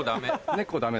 猫ダメ。